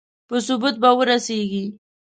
په ثبوت به ورسېږي.